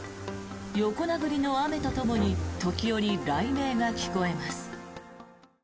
横殴りの雨とともに時折、雷鳴が聞こえます。